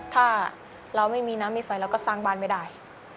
ถ้าเราไม่มีน้ำมีไฟเราก็สร้างบ้านไม่ได้